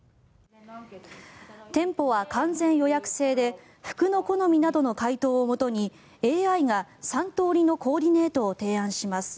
店舗は完全予約制で服の好みなどの回答をもとにＡＩが３通りのコーディネートを提案します。